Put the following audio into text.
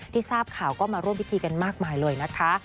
ทราบข่าวก็มาร่วมพิธีกันมากมายเลยนะคะ